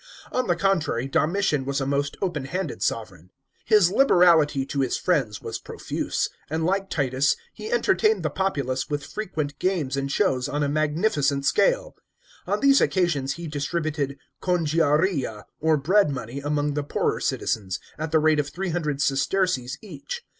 On the contrary, Domitian was a most open handed sovran. His liberality to his friends was profuse, and, like Titus, he entertained the populace with frequent games and shows on a magnificent scale. On these occasions he distributed congiaria or bread money among the poorer citizens, at the rate of three hundred sesterces each.